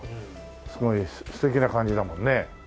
すごい素敵な感じだもんね。